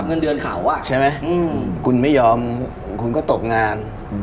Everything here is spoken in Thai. มีเหงินเดือนข่าวอะคุณที่ไม่ยอมคุณก็ตกงาน